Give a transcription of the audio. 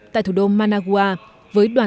tại thủ đô managua